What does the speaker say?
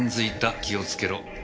気をつけろ。